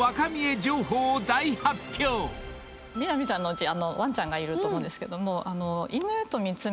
みな実ちゃんのうちワンちゃんいると思うんですけど。